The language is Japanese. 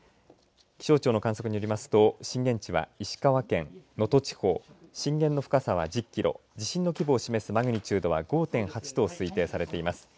気象庁の観測によりますと震源地は石川県能登地方震源の深さは１０キロ地震の規模示すマグニチュードは５．８と推定されています。